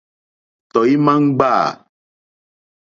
Tɔ̀ímá ŋɡbâ.